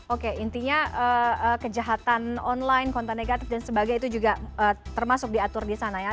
oke intinya kejahatan online konten negatif dan sebagainya itu juga termasuk diatur di sana ya